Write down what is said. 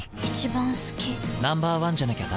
Ｎｏ．１じゃなきゃダメだ。